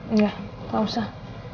enggak gak usah